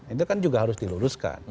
itu kan juga harus diluruskan